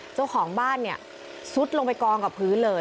เจ้าของบ้านเนี่ยซุดลงไปกองกับพื้นเลย